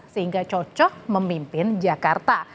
sehingga cocok memimpin jakarta